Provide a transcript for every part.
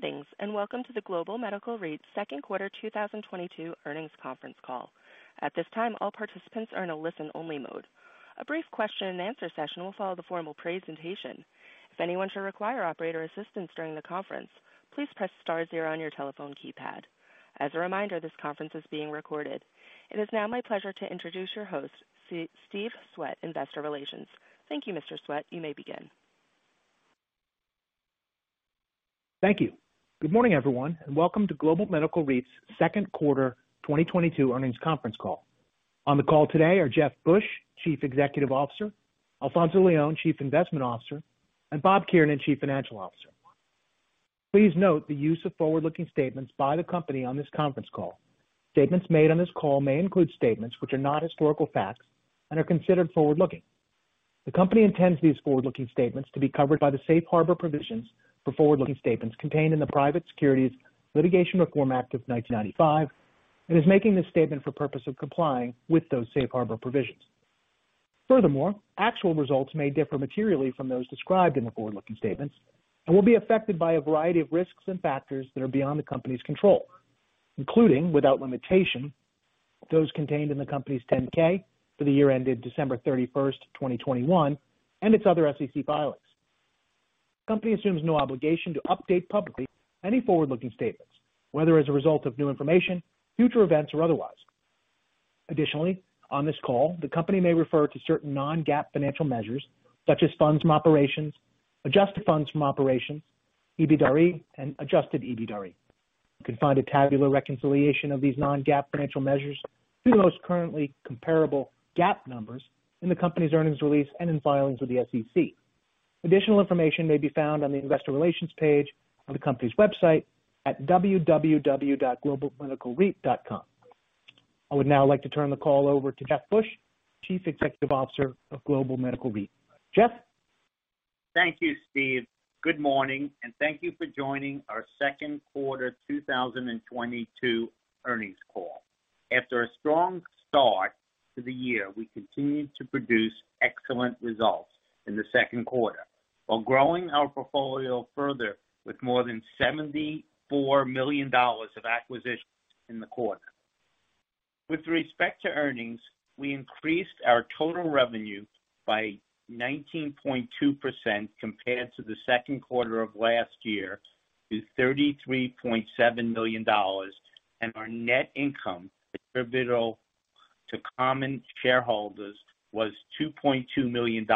Greetings, and welcome to the Global Medical REIT's Second Quarter 2022 Earnings Conference call. At this time, all participants are in a listen-only mode. A brief question and answer session will follow the formal presentation. If anyone should require operator assistance during the conference, please press star zero on your telephone keypad. As a reminder, this conference is being recorded. It is now my pleasure to introduce your host, Steve Swett, Investor Relations. Thank you, Mr. Swett. You may begin. Thank you. Good morning, everyone, and welcome to Global Medical REIT's second quarter 2022 earnings conference call. On the call today are Jeff Busch, Chief Executive Officer; Alfonzo Leon, Chief Investment Officer; and Bob Kiernan, Chief Financial Officer. Please note the use of forward-looking statements by the company on this conference call. Statements made on this call may include statements which are not historical facts and are considered forward-looking. The company intends these forward-looking statements to be covered by the Safe Harbor provisions for forward-looking statements contained in the Private Securities Litigation Reform Act of 1995 and is making this statement for purpose of complying with those Safe Harbor provisions. Actual results may differ materially from those described in the forward-looking statements and will be affected by a variety of risks and factors that are beyond the company's control, including, without limitation, those contained in the company's 10-K for the year ended December 31st, 2021, and its other SEC filings. The company assumes no obligation to update publicly any forward-looking statements, whether as a result of new information, future events, or otherwise. Additionally, on this call, the company may refer to certain non-GAAP financial measures such as funds from operations, adjusted funds from operations, EBITDAre, and Adjusted EBITDAre. You can find a tabular reconciliation of these non-GAAP financial measures to the most currently comparable GAAP numbers in the company's earnings release and in filings with the SEC. Additional information may be found on the investor relations page of the company's website at www.globalmedicalreit.com. I would now like to turn the call over to Jeff Busch, Chief Executive Officer of Global Medical REIT. Jeff? Thank you, Steve. Good morning, and thank you for joining our second quarter 2022 earnings call. After a strong start to the year, we continued to produce excellent results in the second quarter, while growing our portfolio further with more than $74 million of acquisitions in the quarter. With respect to earnings, we increased our total revenue by 19.2% compared to the second quarter of last year to $33.7 million, and our net income attributable to common shareholders was $2.2 million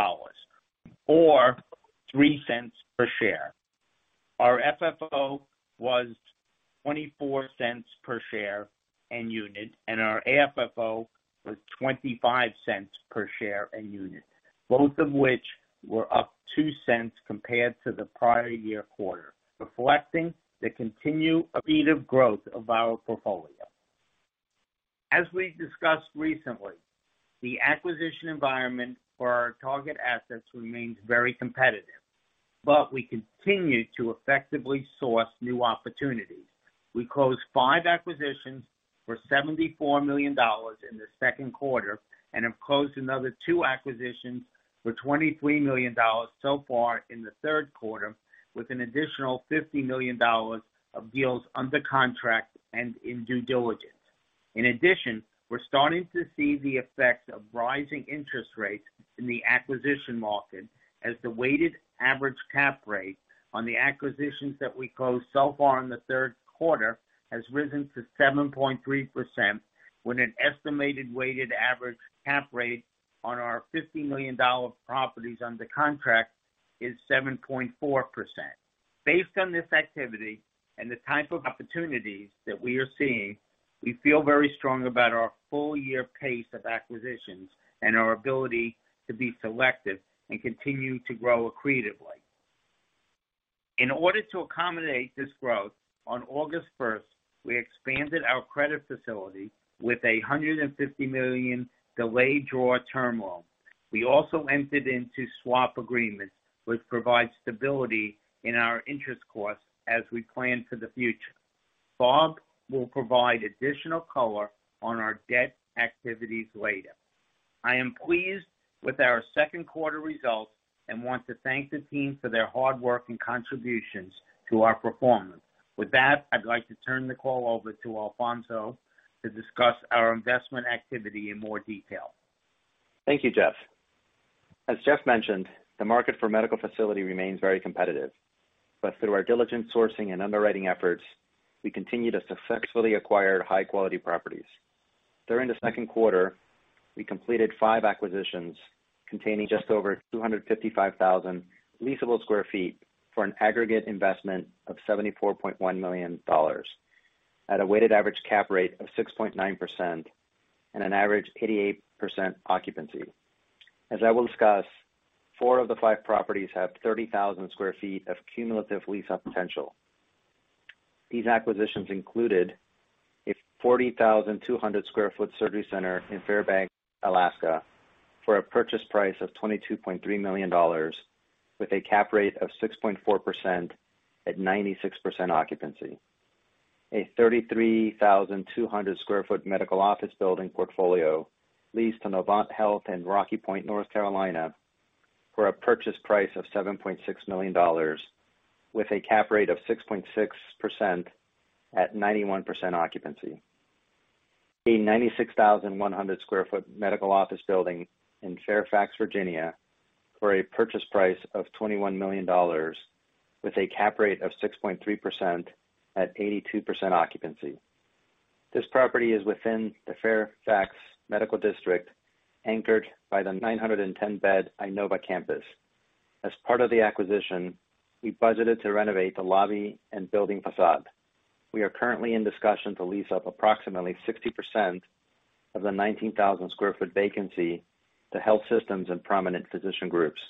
or $0.03 per share. Our FFO was $0.24 per share and unit, and our AFFO was $0.25 per share and unit. Both of which were up $0.02 compared to the prior year quarter, reflecting the continued rate of growth of our portfolio. As we discussed recently, the acquisition environment for our target assets remains very competitive, but we continue to effectively source new opportunities. We closed five acquisitions for $74 million in the second quarter and have closed another two acquisitions for $23 million so far in the third quarter, with an additional $50 million of deals under contract and in due diligence. In addition, we're starting to see the effects of rising interest rates in the acquisition market as the weighted average cap rate on the acquisitions that we closed so far in the third quarter has risen to 7.3%, with an estimated weighted average cap rate on our $50 million properties under contract is 7.4%. Based on this activity and the type of opportunities that we are seeing, we feel very strong about our full year pace of acquisitions and our ability to be selective and continue to grow accretively. In order to accommodate this growth, on August first, we expanded our credit facility with $150 million delayed draw term loan. We also entered into swap agreements, which provide stability in our interest costs as we plan for the future. Bob will provide additional color on our debt activities later. I am pleased with our second quarter results and want to thank the team for their hard work and contributions to our performance. With that, I'd like to turn the call over to Alfonzo to discuss our investment activity in more detail. Thank you, Jeff. As Jeff mentioned, the market for medical facilities remains very competitive, but through our diligent sourcing and underwriting efforts, we continue to successfully acquire high-quality properties. During the second quarter, we completed five acquisitions containing just over 255,000 leasable sq ft for an aggregate investment of $74.1 million at a weighted average cap rate of 6.9% and an average 88% occupancy. As I will discuss, four of the five properties have 30,000 sq ft of cumulative lease-up potential. These acquisitions included a 40,200 sq ft surgery center in Fairbanks, Alaska, for a purchase price of $22.3 million with a cap rate of 6.4% at 96% occupancy. A 33,200 sq ft medical office building portfolio leased to Novant Health in Rocky Point, North Carolina, for a purchase price of $7.6 million with a cap rate of 6.6% at 91% occupancy. A 96,100 sq ft medical office building in Fairfax, Virginia, for a purchase price of $21 million with a cap rate of 6.3% at 82% occupancy. This property is within the Fairfax Medical District, anchored by the 910-bed Inova Campus. As part of the acquisition, we budgeted to renovate the lobby and building facade. We are currently in discussion to lease up approximately 60% of the 19,000 sq ft vacancy to health systems and prominent physician groups.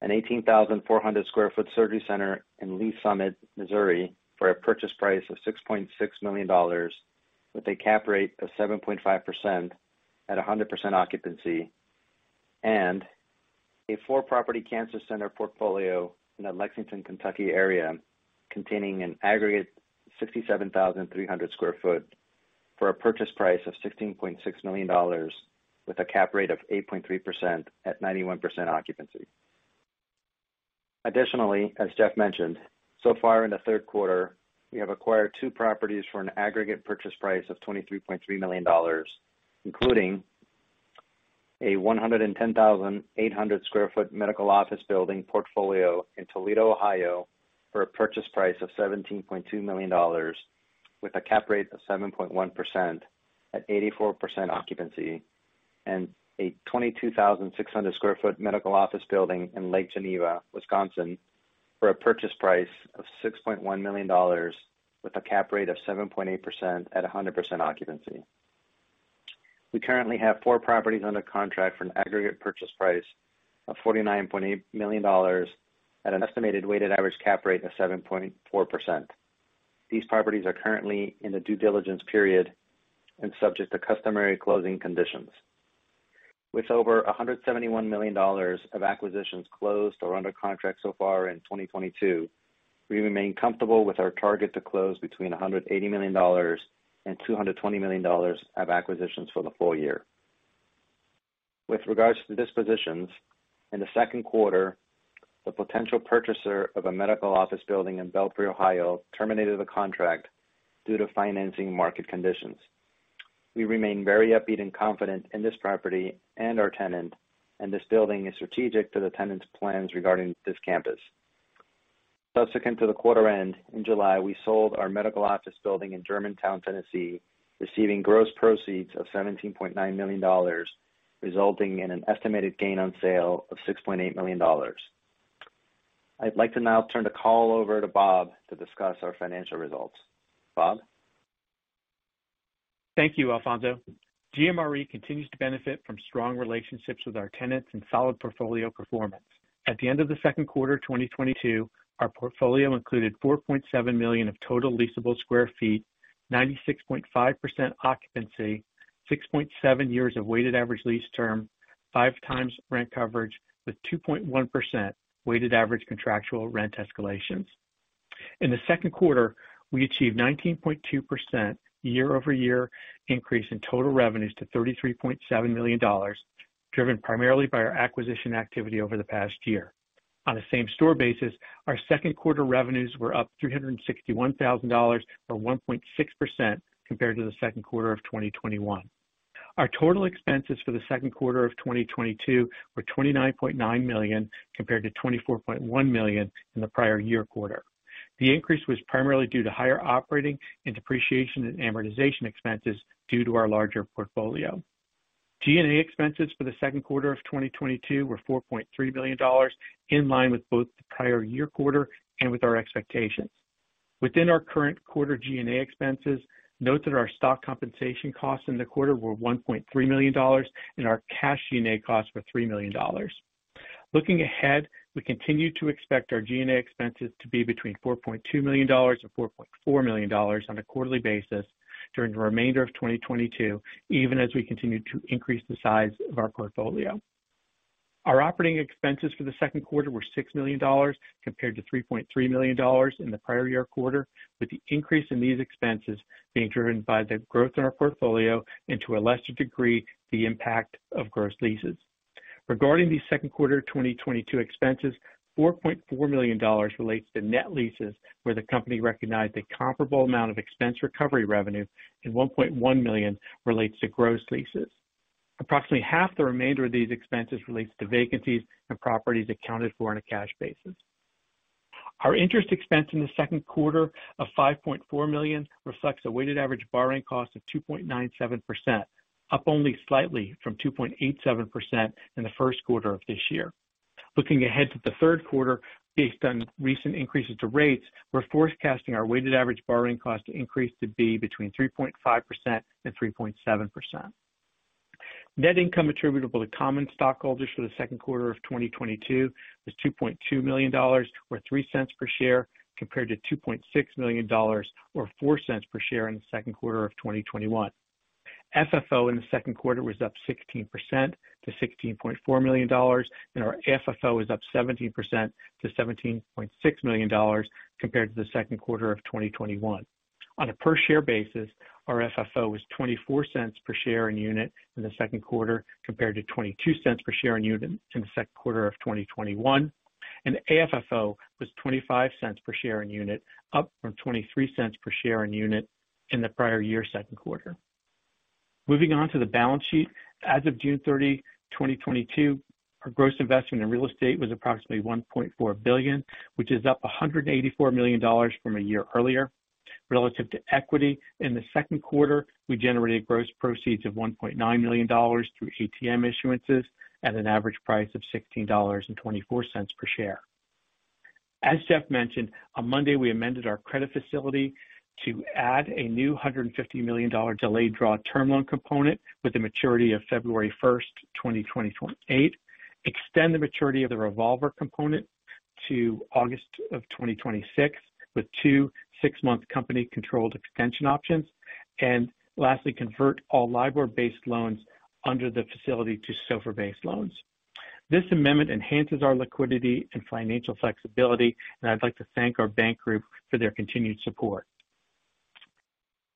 An 18,400 sq ft surgery center in Lee's Summit, Missouri, for a purchase price of $6.6 million with a cap rate of 7.5% at 100% occupancy. A four-property cancer center portfolio in the Lexington, Kentucky, area, containing an aggregate 67,300 sq ft for a purchase price of $16.6 million with a cap rate of 8.3% at 91% occupancy. Additionally, as Jeff mentioned, so far in the third quarter, we have acquired two properties for an aggregate purchase price of $23.3 million, including a 110,800 sq ft medical office building portfolio in Toledo, Ohio, for a purchase price of $17.2 million with a cap rate of 7.1% at 84% occupancy. A 22,600 sq ft medical office building in Lake Geneva, Wisconsin, for a purchase price of $6.1 million with a cap rate of 7.8% at 100% occupancy. We currently have four properties under contract for an aggregate purchase price of $49.8 million at an estimated weighted average cap rate of 7.4%. These properties are currently in the due diligence period and subject to customary closing conditions. With over $171 million of acquisitions closed or under contract so far in 2022, we remain comfortable with our target to close between $180 million and $220 million of acquisitions for the full year. With regards to the dispositions, in the second quarter, the potential purchaser of a medical office building in Belpre, Ohio, terminated the contract due to financing market conditions. We remain very upbeat and confident in this property and our tenant, and this building is strategic to the tenant's plans regarding this campus. Subsequent to the quarter end, in July, we sold our medical office building in Germantown, Tennessee, receiving gross proceeds of $17.9 million, resulting in an estimated gain on sale of $6.8 million. I'd like to now turn the call over to Bob to discuss our financial results. Bob? Thank you, Alfonzo. GMRE continues to benefit from strong relationships with our tenants and solid portfolio performance. At the end of the second quarter, 2022, our portfolio included 4.7 million sq ft of total leasable square feet, 96.5% occupancy, 6.7 years of weighted average lease term, 5x rent coverage with 2.1% weighted average contractual rent escalations. In the second quarter, we achieved 19.2% year-over-year increase in total revenues to $33.7 million, driven primarily by our acquisition activity over the past year. On a same-store basis, our second quarter revenues were up $361,000, or 1.6% compared to the second quarter of 2021. Our total expenses for the second quarter of 2022 were $29.9 million compared to $24.1 million in the prior year quarter. The increase was primarily due to higher operating and depreciation and amortization expenses due to our larger portfolio. G&A expenses for the second quarter of 2022 were $4.3 million, in line with both the prior year quarter and with our expectations. Within our current quarter G&A expenses, note that our stock compensation costs in the quarter were $1.3 million and our cash G&A costs were $3 million. Looking ahead, we continue to expect our G&A expenses to be between $4.2 million and $4.4 million on a quarterly basis during the remainder of 2022, even as we continue to increase the size of our portfolio. Our operating expenses for the second quarter were $6 million compared to $3.3 million in the prior year quarter, with the increase in these expenses being driven by the growth in our portfolio and, to a lesser degree, the impact of gross leases. Regarding the second quarter 2022 expenses, $4.4 million relates to net leases, where the company recognized a comparable amount of expense recovery revenue and $1.1 million relates to gross leases. Approximately half the remainder of these expenses relates to vacancies and properties accounted for on a cash basis. Our interest expense in the second quarter of $5.4 million reflects a weighted average borrowing cost of 2.97%, up only slightly from 2.87% in the first quarter of this year. Looking ahead to the third quarter, based on recent increases to rates, we're forecasting our weighted average borrowing cost increase to be between 3.5% and 3.7%. Net income attributable to common stockholders for the second quarter of 2022 was $2.2 million, or $0.03 per share, compared to $2.6 million or $0.04 per share in the second quarter of 2021. FFO in the second quarter was up 16% to $16.4 million, and our FFO is up 17% to $17.6 million compared to the second quarter of 2021. On a per share basis, our FFO was $0.24 per share diluted in the second quarter compared to $0.22 per share diluted in the second quarter of 2021. AFFO was 25 cents per share in unit, up from $0.23 per share in unit in the prior year second quarter. Moving on to the balance sheet. As of June 30, 2022, our gross investment in real estate was approximately $1.4 billion, which is up $184 million from a year earlier. Relative to equity, in the second quarter, we generated gross proceeds of $1.9 million through ATM issuances at an average price of $16.24 per share. As Jeff mentioned, on Monday, we amended our credit facility to add a new $150 million delayed draw term loan component with the maturity of February 1, 2028, extend the maturity of the revolver component to August of 2026 with two 6-month company controlled extension options, and lastly, convert all LIBOR-based loans under the facility to SOFR-based loans. This amendment enhances our liquidity and financial flexibility, and I'd like to thank our bank group for their continued support.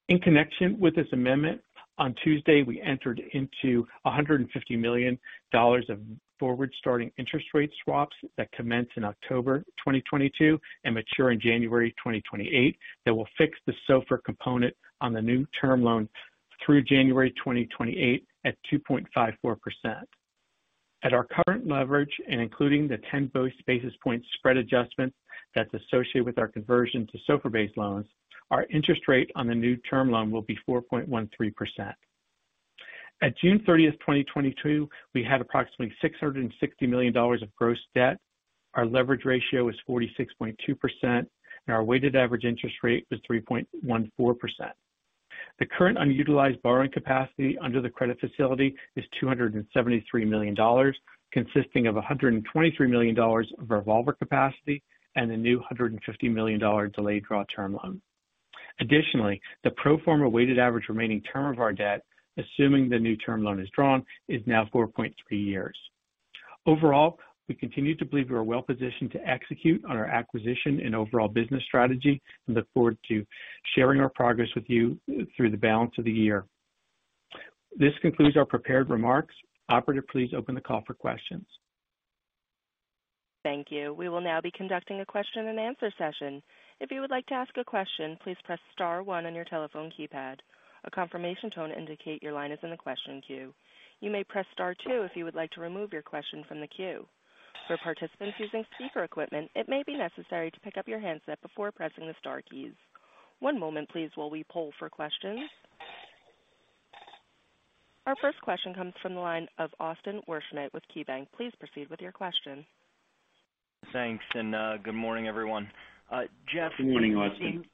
In connection with this amendment, on Tuesday, we entered into $150 million of forward-starting interest rate swaps that commence in October 2022 and mature in January 2028. That will fix the SOFR component on the new term loan through January 2028 at 2.54%. At our current leverage and including the 10 basis point spread adjustment that's associated with our conversion to SOFR-based loans, our interest rate on the new term loan will be 4.13%. At June 30, 2022, we had approximately $660 million of gross debt. Our leverage ratio is 46.2%, and our weighted average interest rate was 3.14%. The current unutilized borrowing capacity under the credit facility is $273 million, consisting of $123 million of revolver capacity and a new $150 million delayed draw term loan. Additionally, the pro forma weighted average remaining term of our debt, assuming the new term loan is drawn, is now 4.3 years. Overall, we continue to believe we are well-positioned to execute on our acquisition and overall business strategy and look forward to sharing our progress with you through the balance of the year. This concludes our prepared remarks. Operator, please open the call for questions. Thank you. We will now be conducting a question-and-answer session. If you would like to ask a question, please press star one on your telephone keypad. A confirmation tone indicates your line is in the question queue. You may press star two if you would like to remove your question from the queue. For participants using speaker equipment, it may be necessary to pick up your handset before pressing the star keys. One moment please while we poll for questions. Our first question comes from the line of Austin Wurschmidt with KeyBanc. Please proceed with your question. Thanks, and, good morning, everyone. Good morning, Austin.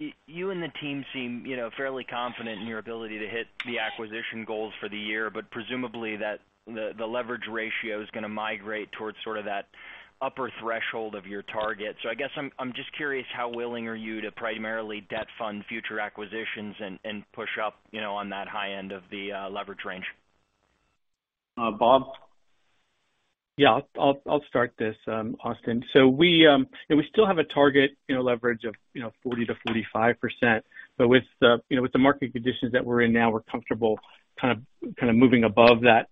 Jeff, you and the team seem, you know, fairly confident in your ability to hit the acquisition goals for the year, but presumably the leverage ratio is gonna migrate towards sort of that upper threshold of your target. I guess I'm just curious how willing are you to primarily debt fund future acquisitions and push up, you know, on that high end of the leverage range? Bob? I'll start this, Austin. We still have a target, you know, leverage of, you know, 40% to 45%. With the market conditions that we're in now, we're comfortable kind of moving above that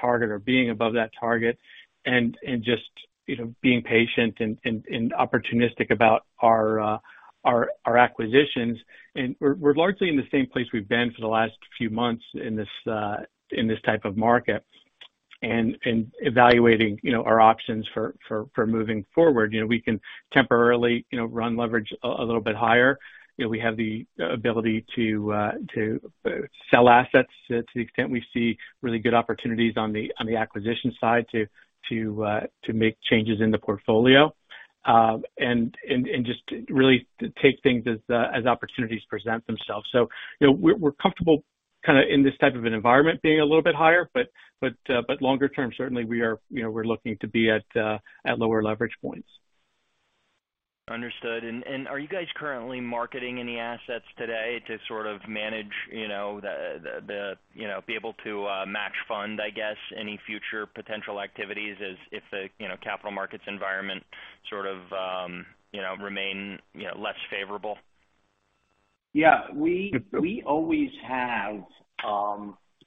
target or being above that target and just, you know, being patient and opportunistic about our acquisitions. We're largely in the same place we've been for the last few months in this type of market and evaluating, you know, our options for moving forward. You know, we can temporarily, you know, run leverage a little bit higher. You know, we have the ability to sell assets to the extent we see really good opportunities on the acquisition side to make changes in the portfolio, and just really take things as opportunities present themselves. You know, we're comfortable kind of in this type of an environment being a little bit higher. Longer term, certainly we are, you know, we're looking to be at lower leverage points. Understood. Are you guys currently marketing any assets today to sort of manage, the you know, be able to match fund, I guess, any future potential activities as if the, you know, capital markets environment sort of, you know, remain, you know, less favorable? We always have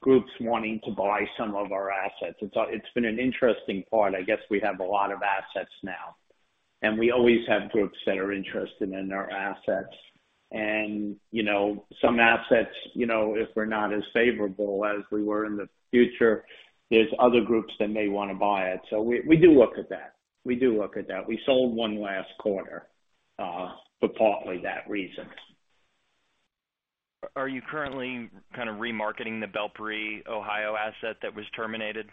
groups wanting to buy some of our assets. It's been an interesting part. I guess we have a lot of assets now, and we always have groups that are interested in our assets. You know, some assets, you know, if we're not as favorable as we were in the future, there's other groups that may wanna buy it. We do look at that. We sold one last quarter for partly that reason. Are you currently kind of remarketing the Belpre, Ohio asset that was terminated?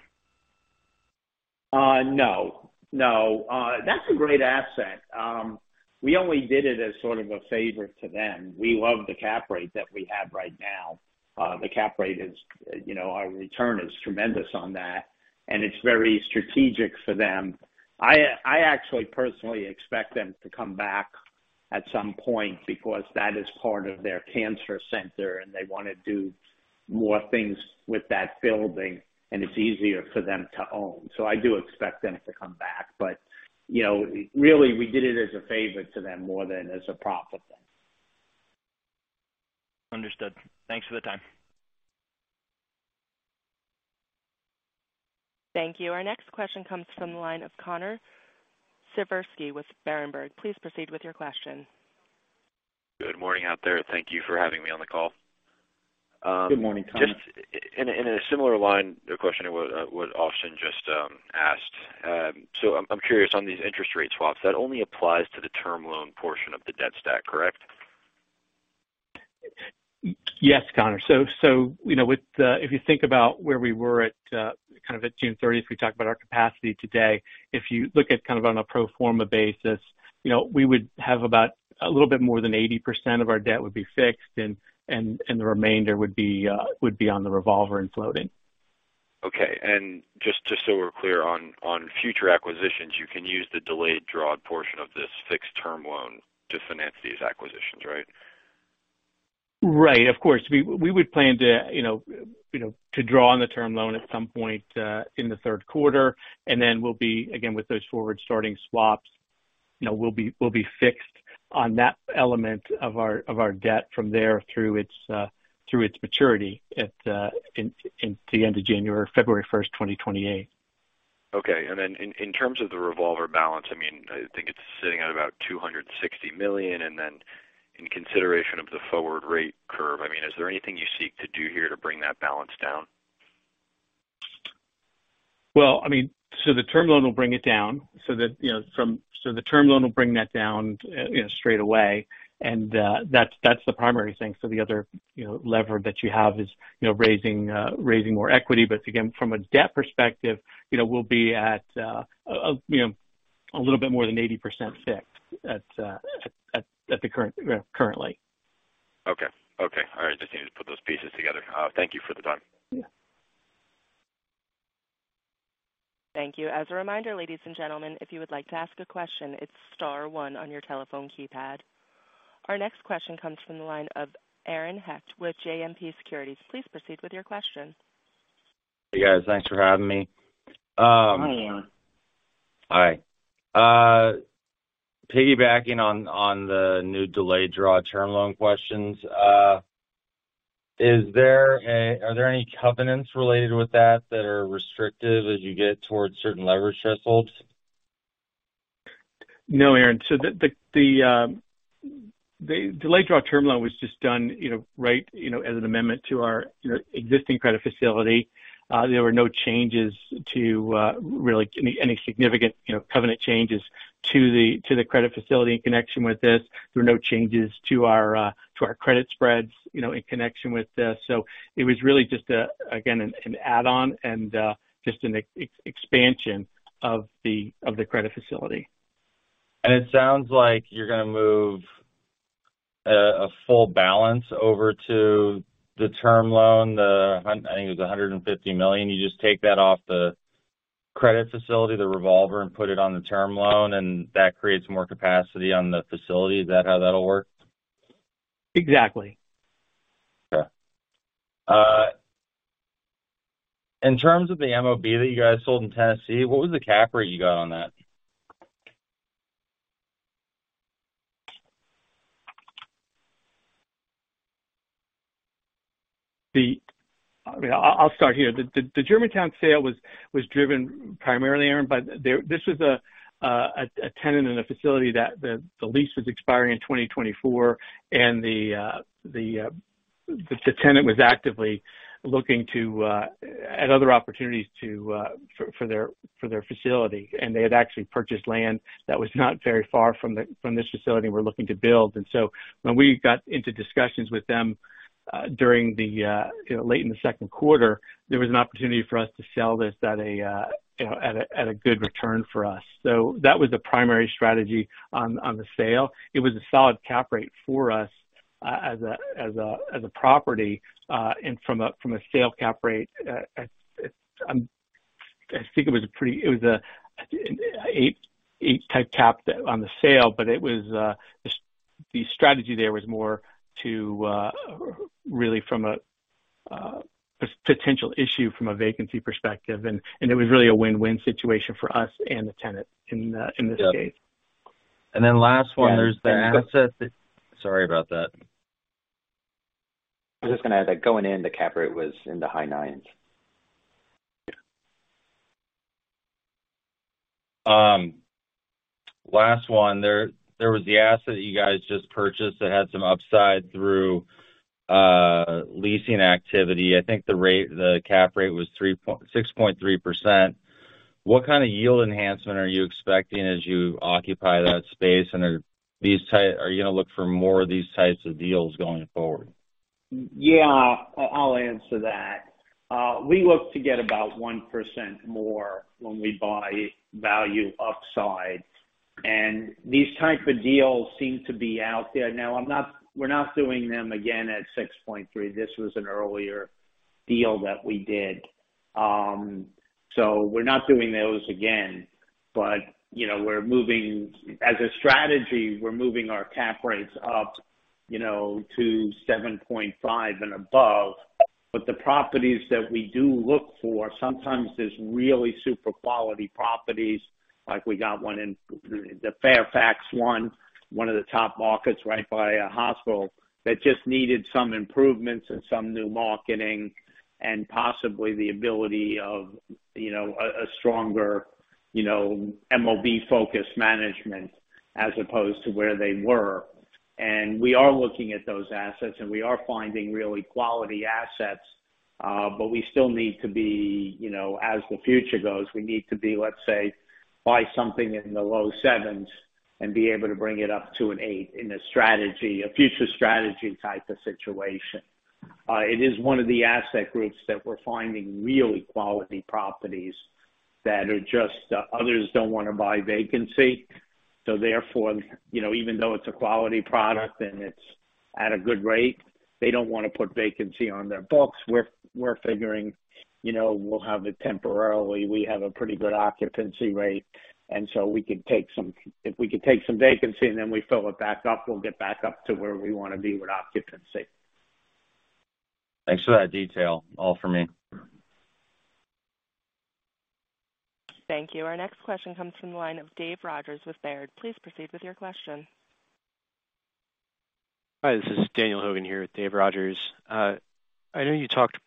No. That's a great asset. We only did it as sort of a favor to them. We love the cap rate that we have right now. The cap rate is, you know, our return is tremendous on that, and it's very strategic for them. I actually personally expect them to come back at some point because that is part of their cancer center, and they wanna do more things with that building, and it's easier for them to own. I do expect them to come back. You know, really, we did it as a favor to them more than as a profit thing. Understood. Thanks for the time. Thank you. Our next question comes from the line of Connor Siversky with Berenberg. Please proceed with your question. Good morning out there. Thank you for having me on the call. Good morning, Connor. Just in a similar line of question was Austin just asked. I'm curious on these interest rate swaps that only applies to the term loan portion of the debt stack, correct? Yes, Connor. You know, with if you think about where we were at, kind of at June 30th, we talked about our capacity today. If you look at kind of on a pro forma basis, you know, we would have about a little bit more than 80% of our debt would be fixed and the remainder would be on the revolver and floating. Okay. Just so we're clear on future acquisitions, you can use the delayed draw portion of this fixed term loan to finance these acquisitions, right? Right. Of course. We would plan to, you know, to draw on the term loan at some point in the third quarter. Then we'll be, again, with those forward starting swaps, you know, we'll be fixed on that element of our debt from there through its maturity at the end of January, February 1st, 2028. Okay. In terms of the revolver balance, I mean, I think it's sitting at about $260 million. In consideration of the forward rate curve, I mean, is there anything you seek to do here to bring that balance down? The term loan will bring that down, you know, straight away. That's the primary thing. The other lever that you have is, you know, raising more equity. Again, from a debt perspective, you know, we'll be at a little bit more than 80% fixed currently. Okay. All right. Just need to put those pieces together. Thank you for the time. Yeah. Thank you. As a reminder, ladies and gentlemen, if you would like to ask a question, it's star one on your telephone keypad. Our next question comes from the line of Aaron Hecht with JMP Securities. Please proceed with your question. Hey, guys. Thanks for having me. Good morning, Aaron. Hi. Piggybacking on the new delayed draw term loan questions. Are there any covenants related with that that are restrictive as you get towards certain leverage thresholds? No, Aaron. The delayed draw term loan was just done, you know, right, you know, as an amendment to our, you know, existing credit facility. There were no changes to really any significant, you know, covenant changes to the credit facility in connection with this. There were no changes to our credit spreads, you know, in connection with this. It was really just a, again, an add-on and just an expansion of the credit facility. It sounds like you're gonna move a full balance over to the term loan. I think it was $150 million. You just take that off the credit facility, the revolver, and put it on the term loan, and that creates more capacity on the facility. Is that how that'll work? Exactly. Okay. In terms of the MOB that you guys sold in Tennessee, what was the cap rate you got on that? I'll start here. The Germantown sale was driven primarily, Aaron. This was a tenant in a facility that the lease was expiring in 2024, and the tenant was actively looking at other opportunities for their facility. They had actually purchased land that was not very far from this facility and were looking to build. When we got into discussions with them during, you know, late in the second quarter, there was an opportunity for us to sell this at a good return for us. That was the primary strategy on the sale. It was a solid cap rate for us, as a property, and from a sale cap rate. It was an eight cap on the sale, but it was the strategy there was more to really from a potential issue from a vacancy perspective. It was really a win-win situation for us and the tenant in this case. Last one. Yeah. Sorry about that. I was just gonna add that going in the cap rate was in the high nines. Last one. There was the asset you guys just purchased that had some upside through leasing activity. I think the rate, the cap rate was 6.3%. What kind of yield enhancement are you expecting as you occupy that space? Are you gonna look for more of these types of deals going forward? Yeah, I'll answer that. We look to get about 1% more when we buy value upside, and these type of deals seem to be out there. Now, we're not doing them again at 6.3. This was an earlier deal that we did. So we're not doing those again. You know, we're moving. As a strategy, we're moving our cap rates up, you know, to 7.5 and above. The properties that we do look for, sometimes there's really super quality properties. Like we got one in the Fairfax one of the top markets right by a hospital that just needed some improvements and some new marketing and possibly the ability of, you know, a stronger You know, MOB focused management as opposed to where they were. We are looking at those assets and we are finding really quality assets, but we still need to be, you know, as the future goes, we need to be, let's say, buy something in the low seven's and be able to bring it up to an eight in a strategy, a future strategy type of situation. It is one of the asset groups that we're finding really quality properties that are just, others don't wanna buy vacancy, so therefore, you know, even though it's a quality product and it's at a good rate, they don't wanna put vacancy on their books. We're figuring, you know, we'll have it temporarily. We have a pretty good occupancy rate, and so we could take some. If we could take some vacancy and then we fill it back up, we'll get back up to where we wanna be with occupancy. Thanks for that detail. All for me. Thank you. Our next question comes from the line of Dave Rodgers with Baird. Please proceed with your question. Hi, this is Daniel Hogan here with Dave Rodgers. I know you talked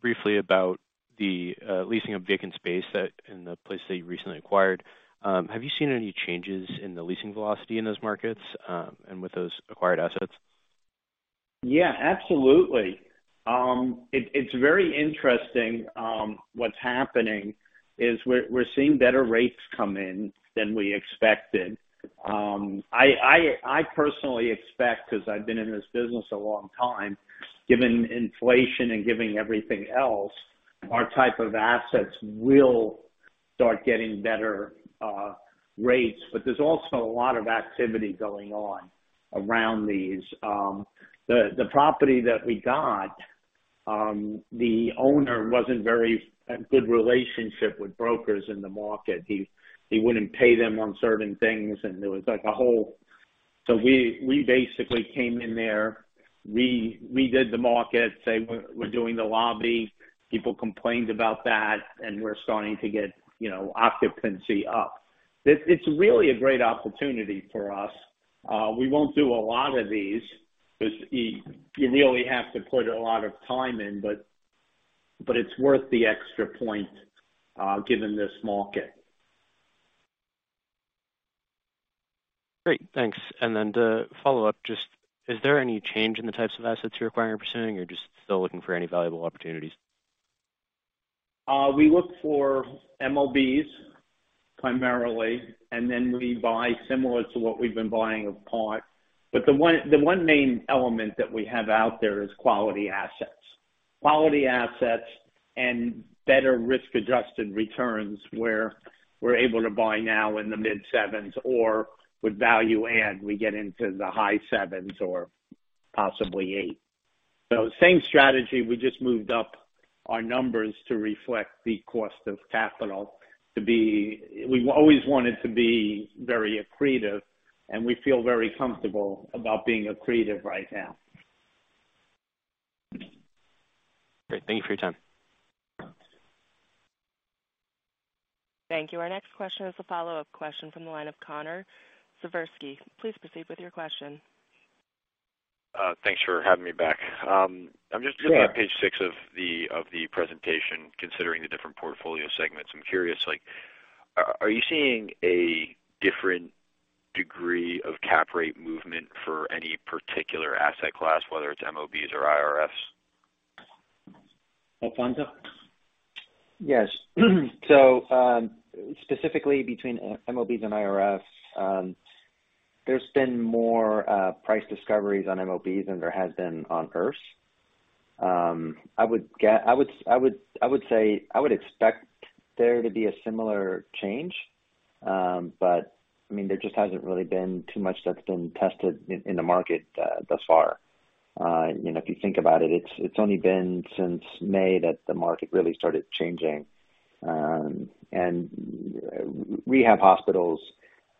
briefly about the leasing of vacant space in the place that you recently acquired. Have you seen any changes in the leasing velocity in those markets, and with those acquired assets? Absolutely. It's very interesting, what's happening is we're seeing better rates come in than we expected. I personally expect, because I've been in this business a long time, given inflation and given everything else, our type of assets will start getting better rates. There's also a lot of activity going on around these. The property that we got, the owner didn't have a very good relationship with brokers in the market. He wouldn't pay them on certain things. We basically came in there, redid the marketing, saying we're doing the lobby. People complained about that, and we're starting to get occupancy up. It's really a great opportunity for us. We won't do a lot of these 'cause you really have to put a lot of time in, but it's worth the extra point, given this market. Great. Thanks. To follow up, just is there any change in the types of assets you're acquiring or pursuing or just still looking for any valuable opportunities? We look for MOBs primarily, and then we buy similar to what we've been buying of par. The one main element that we have out there is quality assets. Quality assets and better risk-adjusted returns where we're able to buy now in the mid-sevens or with value add, we get into the high sevens or possibly eight. Same strategy, we just moved up our numbers to reflect the cost of capital. We've always wanted to be very accretive, and we feel very comfortable about being accretive right now. Great. Thank you for your time. Thank you. Our next question is a follow-up question from the line of Connor Siversky. Please proceed with your question. Thanks for having me back. Sure. Looking at page six of the presentation, considering the different portfolio segments. I'm curious, like, are you seeing a different degree of cap rate movement for any particular asset class, whether it's MOBs or IRFs? Alfonzo? Yes. Specifically between MOBs and IRFs, there's been more price discoveries on MOBs than there has been on IRFs. I would expect there to be a similar change. I mean, there just hasn't really been too much that's been tested in the market thus far. If you think about it's only been since May that the market really started changing. Rehab hospitals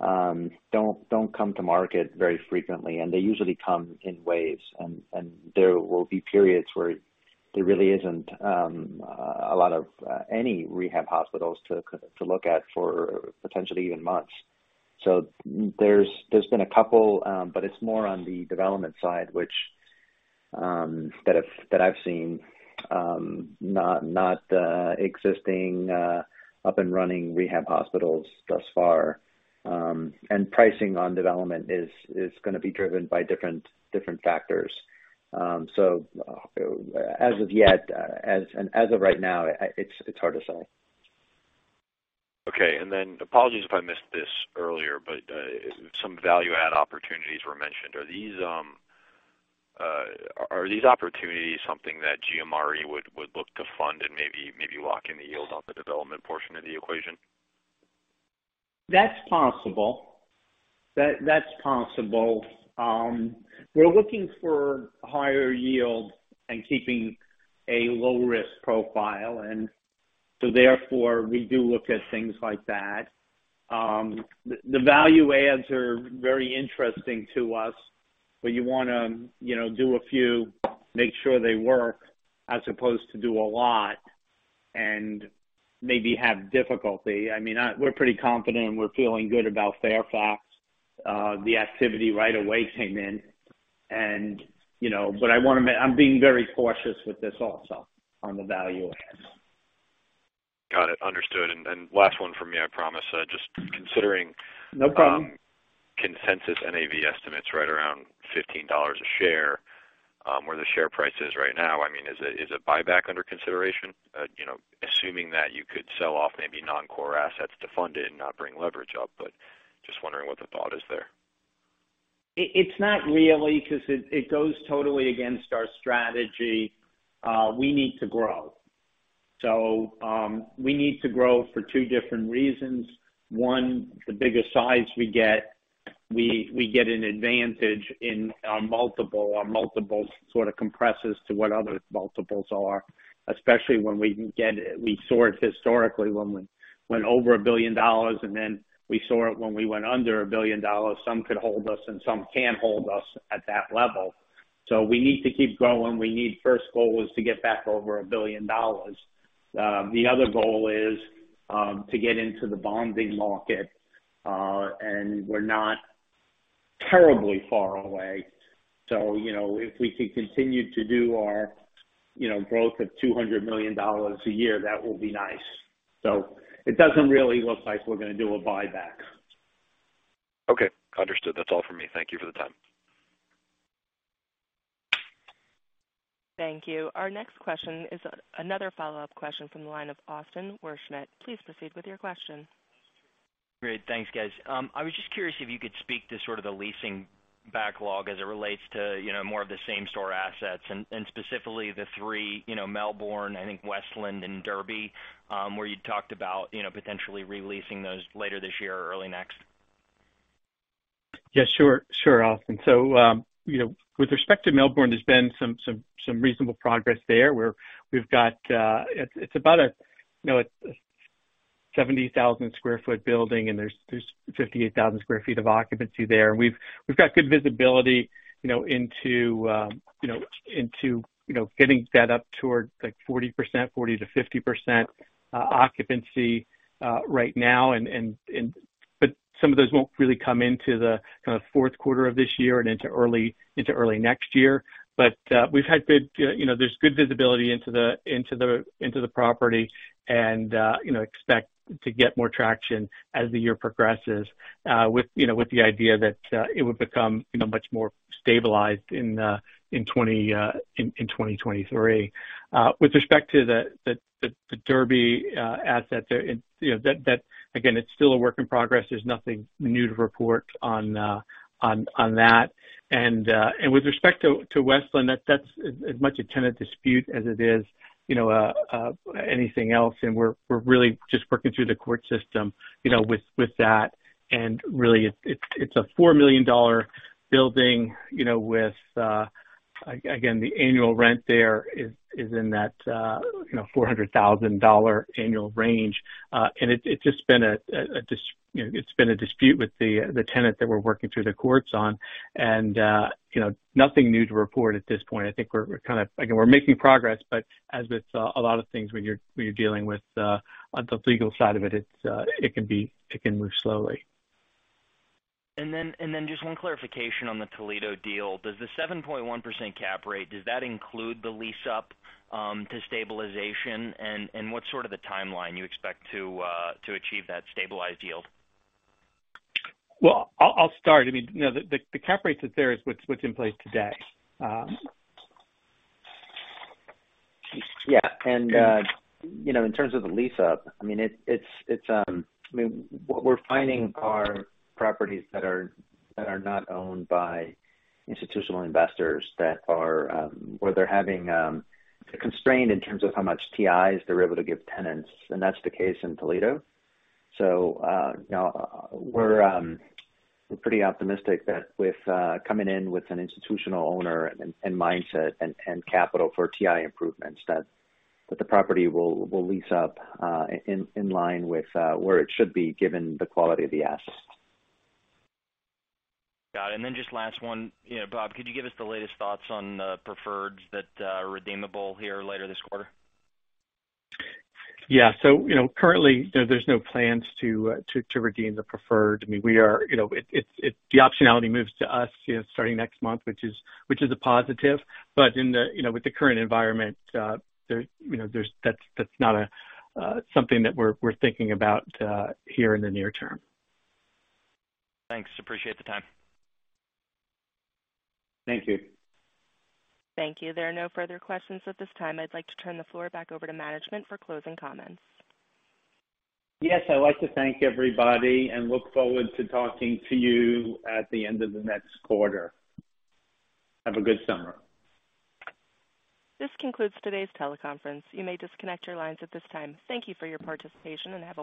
don't come to market very frequently, and they usually come in waves and there will be periods where there really isn't a lot of any rehab hospitals to look at for potentially even months. There's been a couple, but it's more on the development side that I've seen, not existing up and running rehab hospitals thus far. Pricing on development is gonna be driven by different factors. As of yet, as of right now, it's hard to say. Okay. Apologies if I missed this earlier, but some value add opportunities were mentioned. Are these opportunities something that GMRE would look to fund and maybe lock in the yield on the development portion of the equation? That's possible. We're looking for higher yield and keeping a low risk profile and so therefore we do look at things like that. The value adds are very interesting to us, but you wanna, you know, do a few, make sure they work as opposed to do a lot and maybe have difficulty. I mean, we're pretty confident and we're feeling good about Fairfax. The activity right away came in and, you know, I'm being very cautious with this also on the value ahead. Got it. Understood. Last one for me, I promise. Just considering- No problem. Consensus NAV estimates right around $15 a share, where the share price is right now, I mean, is a buyback under consideration? You know, assuming that you could sell off maybe non-core assets to fund it and not bring leverage up, but just wondering what the thought is there. It's not really because it goes totally against our strategy. We need to grow. We need to grow for two different reasons. One, the bigger size we get, we get an advantage in our multiple. Our multiple sort of compresses to what other multiples are, especially when we get it. We saw it historically when we went over $1 billion, and then we saw it when we went under $1 billion. Some could hold us and some can't hold us at that level. We need to keep growing. We need. First goal was to get back over $1 billion. The other goal is to get into the bond market, and we're not terribly far away. You know, if we can continue to do our, you know, growth of $200 million a year, that will be nice. It doesn't really look like we're gonna do a buyback. Okay, understood. That's all for me. Thank you for the time. Thank you. Our next question is another follow-up question from the line of Austin Wurschmidt. Please proceed with your question. Great. Thanks, guys. I was just curious if you could speak to sort of the leasing backlog as it relates to, you know, more of the same store assets and specifically the three, you know, Melbourne, I think Westland and Derby, where you talked about, you know, potentially re-leasing those later this year or early next. Sure, Austin. With respect to Melbourne, there's been some reasonable progress there where we've got. It's about a 70,000 sq ft building, and there's 58,000 sq ft of occupancy there. We've got good visibility, you know, into getting that up toward like 40% to 50% occupancy right now. But some of those won't really come into the kind of fourth quarter of this year and into early next year. We've had good, you know, there's good visibility into the property and, you know, expect to get more traction as the year progresses, with, you know, with the idea that it would become, you know, much more stabilized in 2023. With respect to the Derby asset there, and you know that. Again, it's still a work in progress. There's nothing new to report on that. With respect to Westland, that's as much a tenant dispute as it is, you know, anything else. We're really just working through the court system, you know, with that. Really it's a $4 million building, you know, with. Again, the annual rent there is in that, you know, $400,000 annual range. It's just been a dispute, you know, with the tenant that we're working through the courts on. You know, nothing new to report at this point. Again, we're making progress, but as with a lot of things when you're dealing with on the legal side of it can move slowly. Just one clarification on the Toledo deal. Does the 7.1% cap rate, does that include the lease up to stabilization? What's sort of the timeline you expect to achieve that stabilized yield? Well, I'll start. I mean, you know, the cap rates that's there is what's in place today. Yeah. You know, in terms of the lease up, I mean, it's what we're finding are properties that are not owned by institutional investors that are where they're having a constraint in terms of how much TIs they're able to give tenants, and that's the case in Toledo. You know, we're pretty optimistic that with coming in with an institutional owner and mindset and capital for TI improvements that the property will lease up in line with where it should be given the quality of the assets. Got it. Just last one. You know, Bob, could you give us the latest thoughts on preferreds that are redeemable here later this quarter? You know, currently, there's no plans to redeem the preferred. I mean, you know, it's the optionality moves to us, you know, starting next month, which is a positive. You know, with the current environment, that's not something that we're thinking about here in the near term. Thanks. Appreciate the time. Thank you. Thank you. There are no further questions at this time. I'd like to turn the floor back over to management for closing comments. Yes, I'd like to thank everybody and look forward to talking to you at the end of the next quarter. Have a good summer. This concludes today's teleconference. You may disconnect your lines at this time. Thank you for your participation and have a great day.